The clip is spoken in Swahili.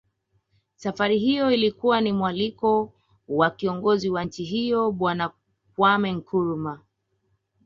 Safari hiyo ilikuwa ni mwaliko wa kiongozi wa nchi hiyo Bwana Kwameh Nkrumah